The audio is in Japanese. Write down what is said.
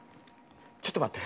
ちょっと待って。